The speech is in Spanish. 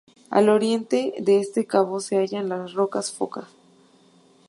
Al oriente de este cabo se hallan las Rocas Foca.